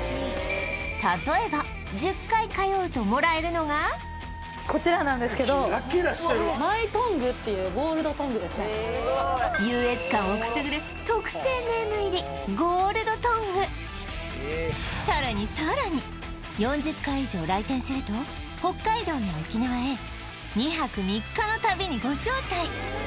例えば１０回通うともらえるのがこちらなんですけど優越感をくすぐる特製ネーム入りゴールドトングさらにさらに４０回以上来店すると北海道や沖縄へ２泊３日の旅にご招待